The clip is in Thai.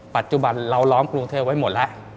ปัจจุบันเราล้อมกรุงเทพไว้หมดแล้ว